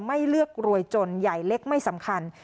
ไม่เลือกรวยจนใหญ่เล็กไม่สำคัญ